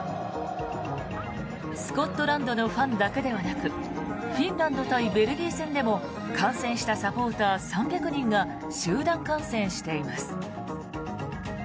スコットランドのファンだけではなくフィンランド対ベルギー戦でも観戦したサポーター３００人が集団感染しています。